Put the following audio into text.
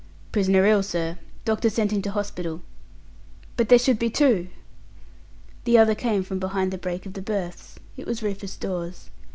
"Prisoner ill, sir. Doctor sent him to hospital." "But there should be two." The other came from behind the break of the berths. It was Rufus Dawes.